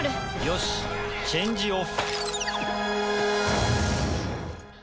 よしチェンジオフ。